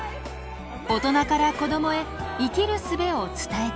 大人から子どもへ生きるすべを伝えてゆく。